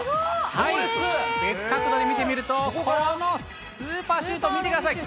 はい、別角度で見てみると、このスーパーシュート見てください。